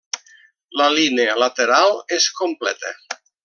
La línia lateral és completa.